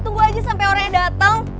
tunggu aja sampe orangnya dateng